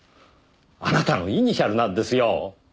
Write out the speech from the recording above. あなたのイニシャルなんですよ。